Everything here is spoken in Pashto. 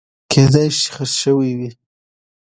کېدای شي چې خرڅ شوي وي